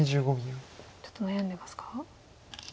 ちょっと悩んでますか？